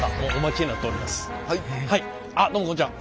あっどうもこんにちは！